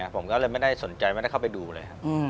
ผมก็เลยไม่ได้สนใจไม่ได้เข้าไปดูเลยครับ